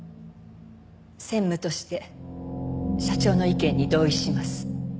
専務として社長の意見に同意します。